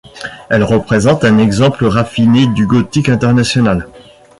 Elle représente un exemple raffiné du gothique international.